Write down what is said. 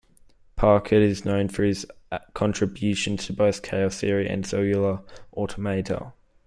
Packard is known for his contributions to both chaos theory and cellular automata.